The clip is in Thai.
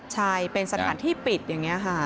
ใช่เป็นสถานที่ปิดอย่างนี้ค่ะ